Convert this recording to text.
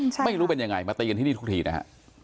ไม่รู้เป็นยังไงมาตีกันที่นี่ทุกทีนะฮะ